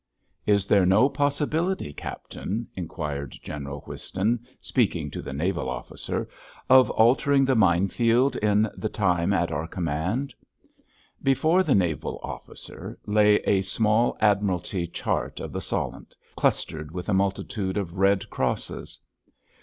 "Is there no possibility, Captain," inquired General Whiston, speaking to the naval officer, "of altering the mine field in the time at our command?" Before the naval officer lay a small Admiralty chart of the Solent clustered with a multitude of red crosses.